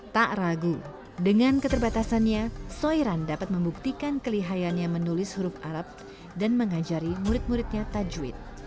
tak ragu dengan keterbatasannya soiran dapat membuktikan kelihayanya menulis huruf arab dan mengajari murid muridnya tajwid